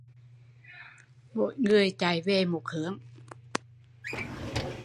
Mỗi người chạy về một hướng